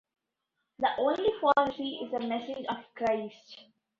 The only policy is the message of Christ.